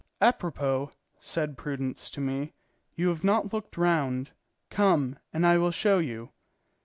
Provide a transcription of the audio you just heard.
"Apropos," said Prudence to me, "you have not looked round; come, and I will show you."